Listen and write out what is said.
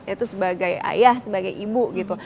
itu sebagai ayah sebagai ibu gitu